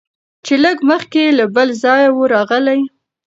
چي لږ مخکي له بل ځایه وو راغلی